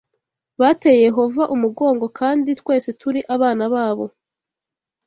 bateye Yehova umugongo kandi twese turi abana babo.